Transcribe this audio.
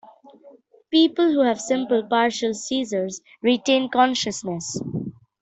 People who have simple partial seizures retain consciousness.